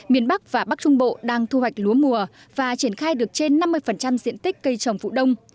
miền bắc và bắc trung bộ đang thu hoạch lúa mùa và triển khai được trên năm mươi diện tích cây trồng vụ đông